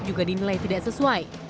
juga dinilai tidak sesuai